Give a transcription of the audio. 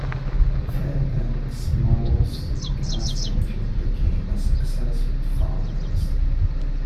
Fairbanks Morse gas engine became a success with farmers.